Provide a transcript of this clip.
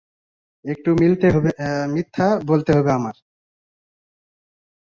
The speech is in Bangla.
একটু মিথ্যা বলতে হবে আমার।